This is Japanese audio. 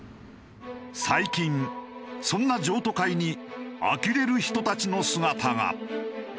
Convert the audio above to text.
最近そんな譲渡会にあきれる人たちの姿が。